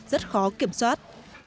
rất khó kiểm soát